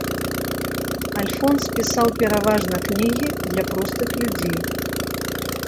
Альфонс пісаў пераважна кнігі для простых людзей.